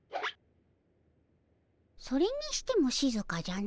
それにしてもしずかじゃの。